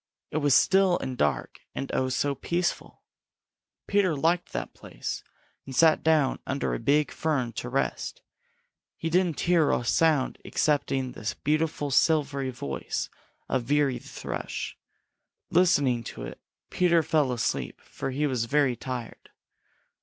It was still and dark and oh, so peaceful! Peter liked that place and sat down under a big fern to rest. He didn't hear a sound excepting the beautiful silvery voice of Veery the Thrush. Listening to it, Peter fell asleep, for he was very tired.